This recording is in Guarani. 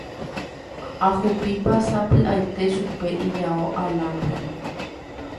Ahupipa sapy'aite chupe ijao alambre-re.